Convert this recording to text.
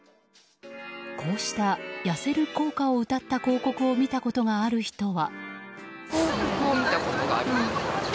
こうした、痩せる効果をうたった広告を見たことがある人は。